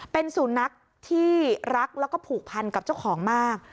เป็นสุนัขที่รักแล้วก็ผูกพันกับเจ้าของมาก